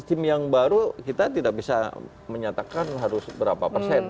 sistem yang baru kita tidak bisa menyatakan harus berapa persen